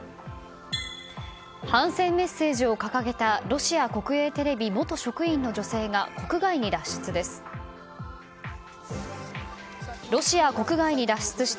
反戦メッセージを掲げたロシア国営テレビ元職員の女性が国外に脱出です。